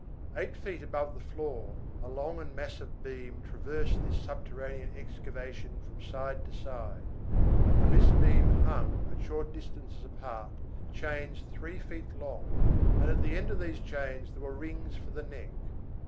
Eight feet above the floor, a long and massive beam traversed this subterranean excavation from side to side; from this beam hung, at short distances apart, chains three feet long, and at the end of these chains there were rings for the neck.